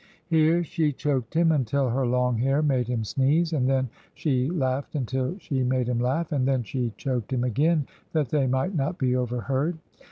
Here she choked him until her long hair made him sneeze, and then she laughed until she made him laugh, and then she choked him again that they might not be overheard.